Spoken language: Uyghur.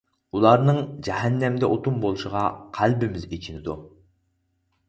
ئۇلارنىڭ جەھەننەمدە ئوتۇن بولۇشىغا قەلبىمىز ئېچىنىدۇ.